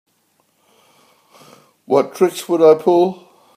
What tricks would I pull?